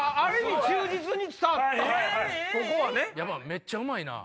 めっちゃうまいな。